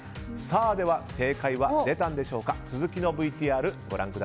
正解は出たんでしょうか。